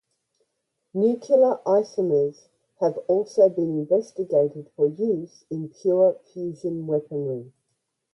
Nuclear isomers have also been investigated for use in pure fusion weaponry.